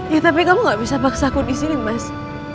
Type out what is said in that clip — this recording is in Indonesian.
ya tapi kamu gak bisa paksaku disini mas